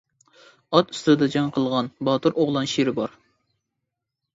ئات ئۈستىدە جەڭ قىلغان، باتۇر ئوغلان شىرى بار.